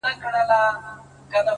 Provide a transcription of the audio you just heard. د هر سهار تر لمانځه راوروسته”